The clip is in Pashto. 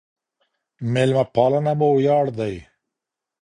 ميلمه پالنه مو وياړ دی.